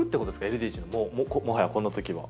ＬＤＨにもはやこの時は。